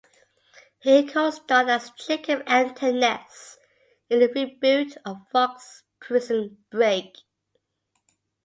He co-starred as Jacob Anton Ness in the reboot of Fox's "Prison Break".